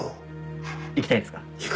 行きたいですか。